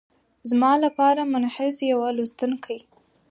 زما لپاره منحیث د یوه لوستونکي